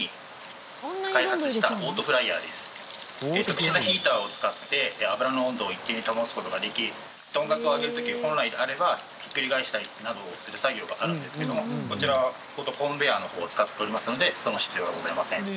特殊なヒーターを使って油の温度を一定に保つ事ができとんかつを揚げる時本来であればひっくり返したりなどをする作業があるんですけどもこちらはコンベヤーの方を使っておりますのでその必要はございません。